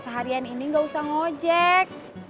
seharian ini gak usah ngojek